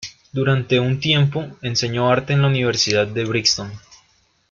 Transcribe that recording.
Durante un tiempo enseñó arte en una universidad en Brixton.